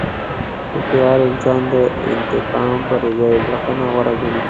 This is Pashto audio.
هوښیار انسان د انتقام پر ځای بښنه غوره ګڼي.